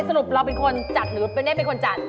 เราเป็นคนจัดหรือไม่ได้เป็นคนจัด